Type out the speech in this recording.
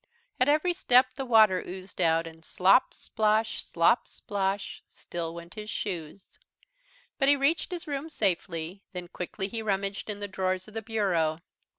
At every step the water oozed out and slop, splosh, slop, splosh, still went his shoes. But he reached his room safely, then quickly he rummaged in the drawers of the bureau.